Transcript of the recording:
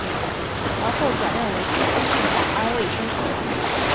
而后转任为新丰郡保安卫生系。